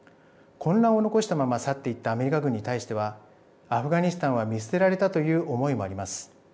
混乱を残したまま去っていったアメリカ軍に対してはアフガニスタンは見捨てられたという思いもあります。